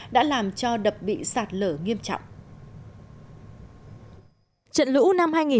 đã làm cho đập bị sạt lở nghiêm trọng